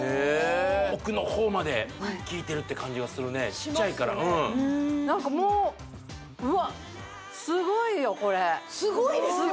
奥のほうまで効いてるって感じがするねちっちゃいからうん何かもううわっすごいよこれすごいですよね？